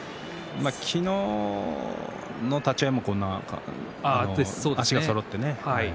昨日の立ち合いもこんなふうに足がそろってね。